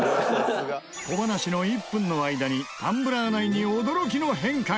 小話の１分の間にタンブラー内に驚きの変化が！